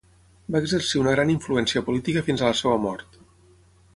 Va exercir una gran influència política fins a la seua mort.